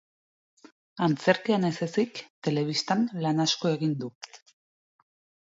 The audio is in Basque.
Antzerkian ez ezik, telebistan lan asko egin du.